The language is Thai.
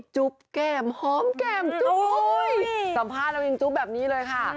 จุ๊บแก้มหอมแก้มจุ๊บสัมภาษณ์เรายังจุ๊บแบบนี้เลยค่ะ